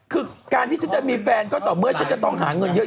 คือการที่ฉันจะมีแฟนก็ต่อเมื่อฉันจะต้องหาเงินเยอะ